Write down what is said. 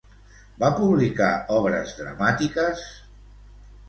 Va publicar obres dramàtiques?